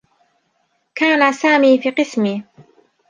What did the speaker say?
كان سامي في قسمي.